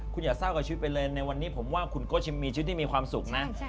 คุณอย่าเศร้ากับชีวิตไปเลยในวันนี้ผมว่าคุณก็ยังมีชีวิตที่มีความสุขนะ